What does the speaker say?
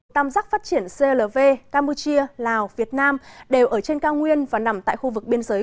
tam giác phát triển clv campuchia lào việt nam đều ở trên cao nguyên và nằm tại khu vực biên giới